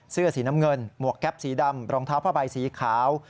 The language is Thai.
เสื้อสีน้ำเงินหมวกแก๊ปสีดำรองเท้าผ้าใบสีขาว